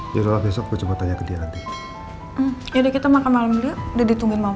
iya udah most tow esok berhenti tinggal tau